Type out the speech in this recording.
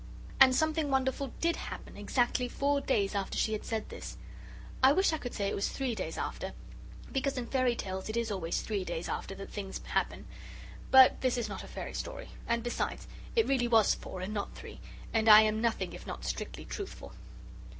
And something wonderful did happen exactly four days after she had said this. I wish I could say it was three days after, because in fairy tales it is always three days after that things happen. But this is not a fairy story, and besides, it really was four and not three, and I am nothing if not strictly truthful.